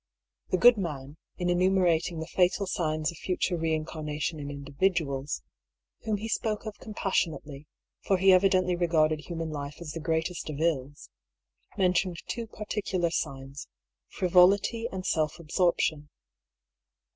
The good man, in enumerating the fatal signs of future reincarnation in individuals (whom he spoke of compassionately, for he evidently regarded human life as the greatest of ills), mentioned two par ticular signs, frivolity and self absorption.